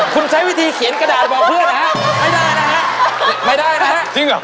คุณใช้วิธีเขียนกระดาษบอกเพื่อนนะฮะไม่ได้นะฮะไม่ได้นะฮะจริงเหรอ